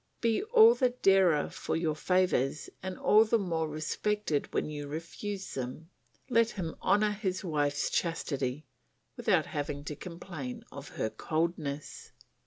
Be all the dearer for your favours and all the more respected when you refuse them; let him honour his wife's chastity, without having to complain of her coldness.